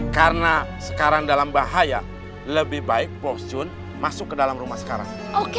karena sekarang dalam bahaya lebih baik posion masuk ke dalam rumah sekarang oke